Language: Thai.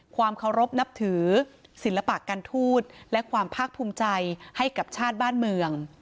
ความเคารพนับถือศิลปะการทูตและความภาคภูมิใจให้กับชาติบ้านเมือง